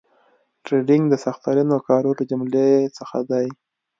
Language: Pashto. ټریډینګ د سخترینو کارو له جملې څخه دي